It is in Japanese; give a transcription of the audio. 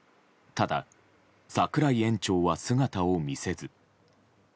ただ、櫻井園長は姿を見せず。